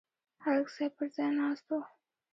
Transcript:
هلک ځای پر ځای ناست و.